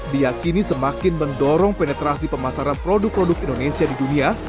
diakini semakin mendorong penetrasi pemasaran produk produk indonesia di dunia